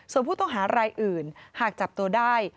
ส่วนผู้ต้องหารายอื่นหากจับตัวได้